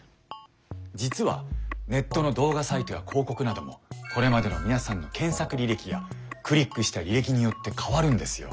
実はネットの動画サイトや広告などもこれまでの皆さんの検索履歴やクリックした履歴によって変わるんですよ。